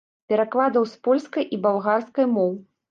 Перакладаў з польскай і балгарскай моў.